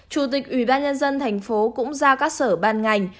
chủ tịch ủy ban nhân dân thành phố cũng giao các sở ban ngành